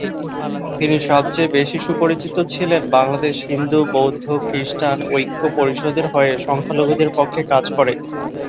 তিনি সব চেয়ে বেশি সুপরিচিত ছিলেন বাংলাদেশ হিন্দু-বৌদ্ধ-খ্রিস্টান ঐক্য পরিষদের হয়ে সংখ্যালঘুদের পক্ষে কাজ করে।